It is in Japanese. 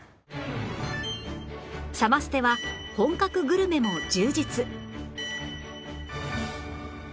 サマステは本格グルメも充実